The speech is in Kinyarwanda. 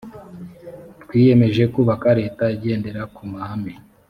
twiyemeje kubaka leta igendera ku mahame